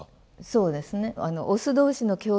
そうですね。